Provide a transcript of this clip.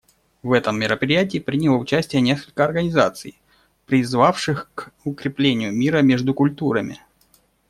В этом мероприятии приняло участие несколько организаций, призвавших к укреплению мира между культурами.